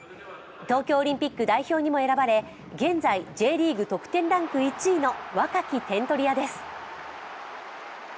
東京オリンピック代表にも選ばれ現在Ｊリーグ得点ランク１位の若き点取り屋です。